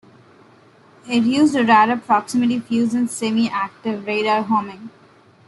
It used a radar proximity fuze and semi-active radar homing.